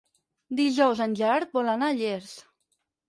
Dijous en Gerard vol anar a Llers.